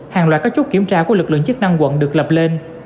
hàng loạt các chốt kiểm tra của lực lượng chức năng quận được lập lên